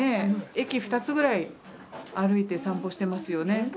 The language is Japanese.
駅２つぐらい歩いて散歩してますよね。